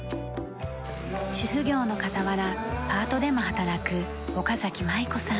主婦業の傍らパートでも働く岡崎舞子さん。